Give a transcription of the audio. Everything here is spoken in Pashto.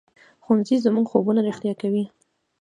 ښوونځی زموږ خوبونه رښتیا کوي